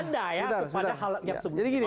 itu tidak terhadap anda ya